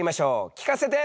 聞かせて！